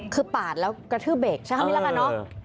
คือปาดแล้วกระทืบเบรกใช้คำนี้แล้วกันเนอะ